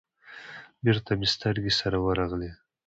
بېرته مې سترگې سره ورغلې.